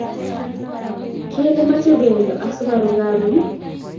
Kele mache bendo ak sukaru karon